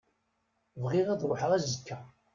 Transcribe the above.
Bɣiɣ ad ṛuḥeɣ azekka.